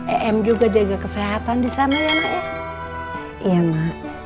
eem juga jaga kesehatan disana ya nak ya